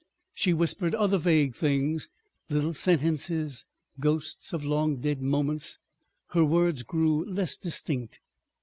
She whispered other vague things, little sentences, ghosts of long dead moments. ... Her words grew less distinct.